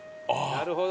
なるほど。